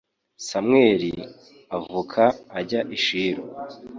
samweli avuka ajya i shilo